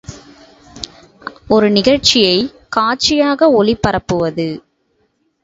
ஒரு நிகழ்ச்சியைக் காட்சியாக ஒளி பரப்புவது.